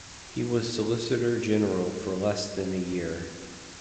He was solicitor-general for less than a year.